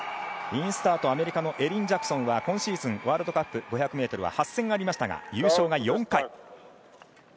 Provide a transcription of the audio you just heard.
インスタートアメリカのエリン・ジャクソンは今シーズン、ワールドカップ５００ｍは８戦ありましたが優勝が４回。